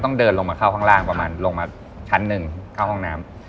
เดินลงมาเข้าข้างล่างประมาณลงมาชั้นหนึ่งเข้าห้องน้ำ